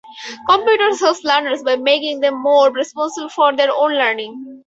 Computers help learners by making them more responsible for their own learning.